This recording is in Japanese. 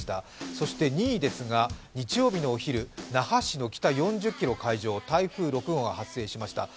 そして２位ですが、日曜日のお昼、那覇市の北、４０ｋｍの海上、台風６号が発生しました。